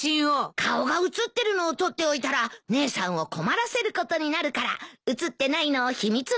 顔が写ってるのを取っておいたら姉さんを困らせることになるから写ってないのを秘密の写真として。